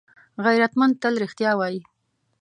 غیرتمند تل رښتیا وايي